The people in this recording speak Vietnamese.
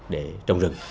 để trồng rừng